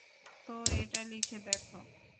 তো এটা লিখে দেখো।